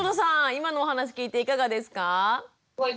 今のお話聞いていかがですか？